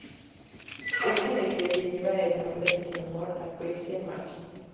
Esta especie lleva el nombre en honor a Christian Marty.